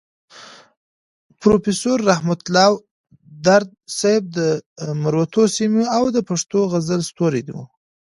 پروفيسور رحمت الله درد صيب د مروتو سيمې او د پښتو غزل ستوری وو.